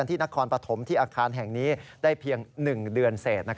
นครปฐมที่อาคารแห่งนี้ได้เพียง๑เดือนเศษ